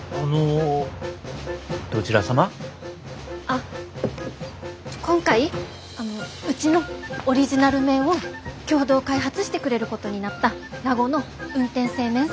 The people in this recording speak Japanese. あっ今回うちのオリジナル麺を共同開発してくれることになった名護の運天製麺さんです。